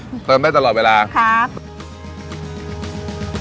คนที่มาทานอย่างเงี้ยควรจะมาทานแบบคนเดียวนะครับ